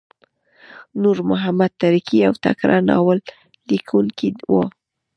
نورمحمد ترهکی یو تکړه ناوللیکونکی وو.